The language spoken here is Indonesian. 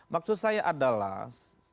maksud saya adalah